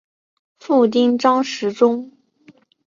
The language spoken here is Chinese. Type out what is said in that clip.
父亲张时中。